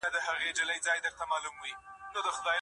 احمد پرون په مځکي کي کار وکړی.